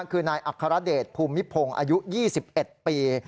คือนายอัครเดชภูมิพงศ์อายุ๒๑ปี